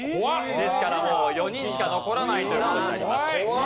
ですからもう４人しか残らないという事になります。